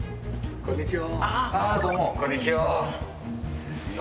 こんにちは。